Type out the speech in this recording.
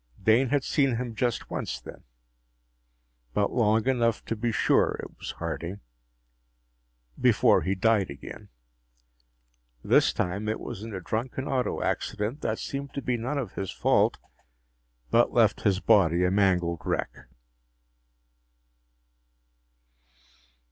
Dane had seen him just once then but long enough to be sure it was Harding before he died again. This time, it was in a drunken auto accident that seemed to be none of his fault, but left his body a mangled wreck.